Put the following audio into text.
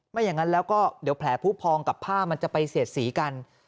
อย่างนั้นแล้วก็เดี๋ยวแผลผู้พองกับผ้ามันจะไปเสียดสีกัน